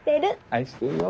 愛してるよ。